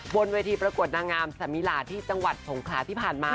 บนเวทีประกวดนางงามสมิลาที่จังหวัดสงขลาที่ผ่านมา